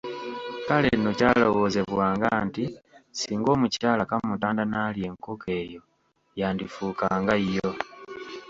Kale nno kyalowoozebwanga nti singa omukyala kamutanda n’alya enkoko eyo yandifuuka nga yo.